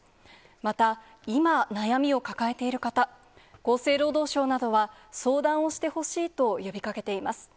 また、今、悩みを抱えている方、厚生労働省などは、相談をしてほしいと呼びかけています。